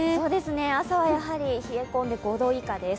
朝はやはり冷え込んで５度以下です。